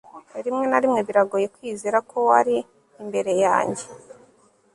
rimwe na rimwe biragoye kwizera ko wari imbere yanjye